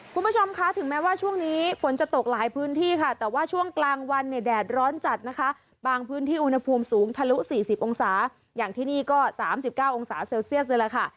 คุณผู้ชมคะถึงแม้ว่าช่วงนี้ฝนจะตกหลายพื้นที่ค่ะแต่ว่าช่วงกลางวันเนี่ยแดดร้อนจัดนะคะบางพื้นที่อุณหภูมิสูงทะลุ๔๐องศาอย่างที่นี่ก็๓๙องศาเซลเซียสนี่แหละค่ะ